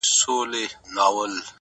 زما د ژوند هره شيبه او گړى”